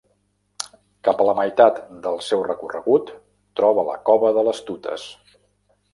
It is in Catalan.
Cap a la meitat del seu recorregut troba la Cova de les Tutes.